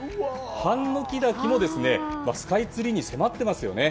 ハンノキ滝もスカイツリーに迫っていますよね。